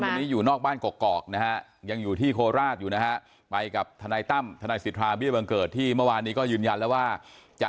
มีมีหมดเลยรวบทรวมกันมา